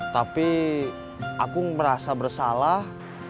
tapi aku merasa bersalah